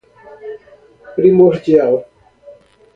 primordial